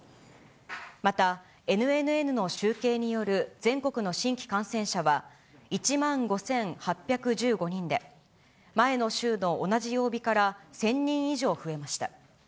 また、ＮＮＮの集計による全国の新規感染者は１万５８１５人で、前の週の同じ曜日から１０００人以上増えました。